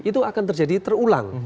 itu akan terjadi terulang